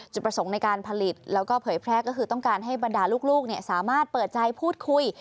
ประสงค์ในการผลิตแล้วก็เผยแพร่ก็คือต้องการให้บรรดาลูกสามารถเปิดใจพูดคุย